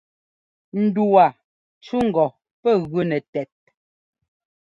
Ndu waa cú ŋgɔ pɛ́ gʉ nɛ tɛt.